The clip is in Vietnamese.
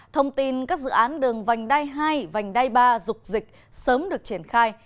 thông tin các dự án đường vành đai hai vành đai ba rục dịch sớm được triển khai